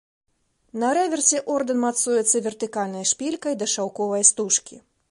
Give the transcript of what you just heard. На рэверсе ордэн мацуецца вертыкальнай шпількай да шаўковай стужкі.